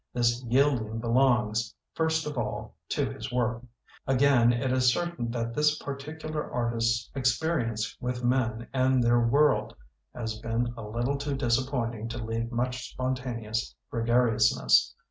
This yielding belongs, first of all, to his work. Again, it is cer tain that this particular artist's ex perience with men and their world has been a little too disappointing to leave much spontaneous gregariousness.